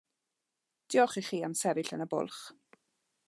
Diolch i chi am sefyll yn y bwlch.